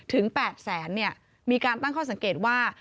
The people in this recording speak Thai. ถึง๘๐๐๐๐๐บาทมีการตั้งข้อสังเกตว่า